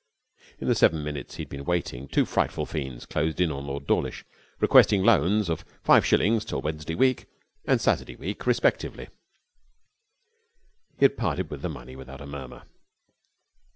In the seven minutes he had been waiting two frightful fiends closed in on Lord Dawlish, requesting loans of five shillings till Wednesday week and Saturday week respectively, and he had parted with the money without a murmur.